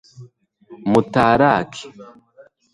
mutarake